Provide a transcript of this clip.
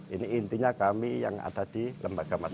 ini intinya kami yang ada di lembaga masyarakat